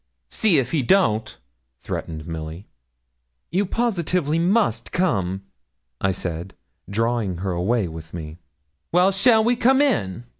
'See if he don't,' threatened Milly. 'You positively must come,' I said, drawing her away with me. 'Well, shall we come in?'